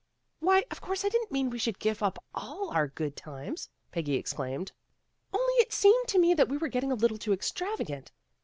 "Why, of course I didn't mean we should give up all our good times," Peggy exclaimed. "Only it seemed to me we were getting a little too extravagant.